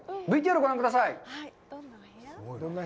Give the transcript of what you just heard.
ＶＴＲをご覧ください。